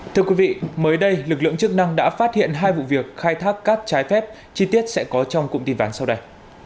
thưa quý vị mới đây lực lượng chức năng đã phát hiện hai vụ việc khai thác cát trái phép chi tiết sẽ có trong cụm tin ván sau đây